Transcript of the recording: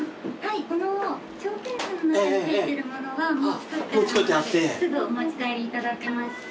このショーケースの中に入ってるものはもう作ってるものですぐお持ち帰りいただけまして。